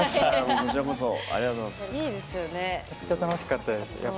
めちゃくちゃ楽しかったです。